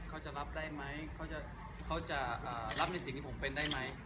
เขาจะรับได้ไหมเขาจะรับในสิ่งที่ผมเป็นได้ไหม